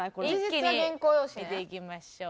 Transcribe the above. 一気に見ていきましょう。